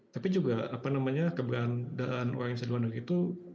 tapi juga keberadaan orang indonesia di luar negeri itu